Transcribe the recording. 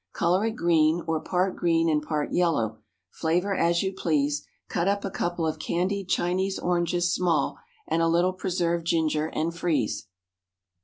Color it green, or part green and part yellow; flavor as you please; cut up a couple of candied Chinese oranges small and a little preserved ginger, and freeze.